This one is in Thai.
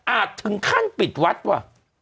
ถึงขั้นปิดวัดว่ะ